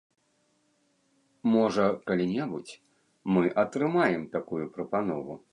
Можа, калі-небудзь мы атрымаем такую прапанову.